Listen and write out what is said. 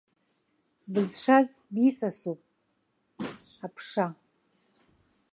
Бызшаз бисасуп аԥша!